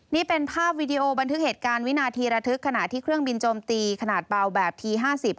นี่เป็นภาพวีดีโอบันทึกเหตุการณ์วินาทีระทึกขณะที่เครื่องบินโจมตีขนาดเบาแบบทีห้าสิบ